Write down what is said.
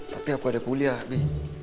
tapi aku ada kuliah nih